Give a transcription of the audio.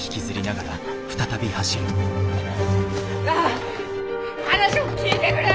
なあ話を聞いてくれ！